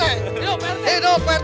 hidup pak rt